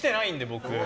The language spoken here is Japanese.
僕。